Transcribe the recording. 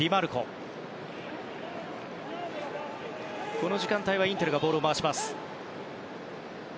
この時間帯はインテルがボールを回します。